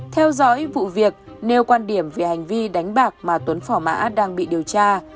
theo dõi vụ việc nêu quan điểm về hành vi đánh bạc mà tuấn phỏ mã đang bị điều tra